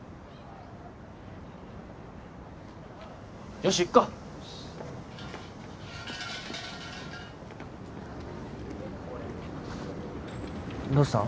よし行くかどうした？